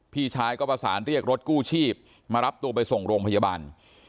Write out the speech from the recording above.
พี่ชายก็ประสานเรียกรถกู้ชีพมารับตัวไปส่งโรงพยาบาล